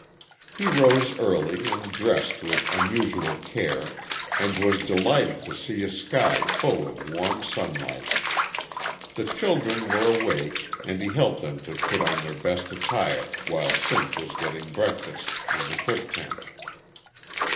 He rose early and dressed with unusual care, and was delighted to see a sky full of warm sunlight. The children were awake, and he helped them to put on their best attire while Sinth was getting breakfast in the cook tent.